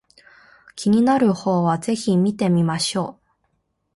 気になる方は是非見てみましょう